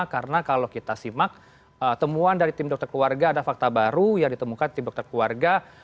karena kalau kita simak temuan dari tim dokter keluarga ada fakta baru yang ditemukan tim dokter keluarga